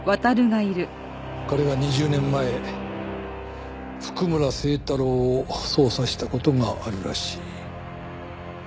彼は２０年前譜久村聖太郎を捜査した事があるらしい。